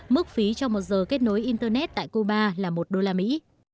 mức phí cho một giờ kết nối internet tại cuba là một đô la mỹ